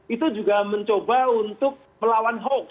itu juga mencoba untuk melawan hoax